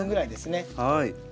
はい。